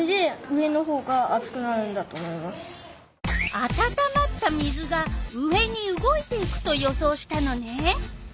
あたたまった水が上に動いていくと予想したのね。